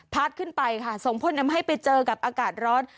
ขึ้นไปค่ะส่งผลทำให้ไปเจอกับอากาศร้อน